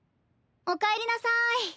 おかえりなさい。